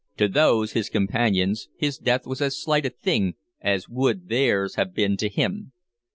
To those his companions his death was as slight a thing as would theirs have been to him.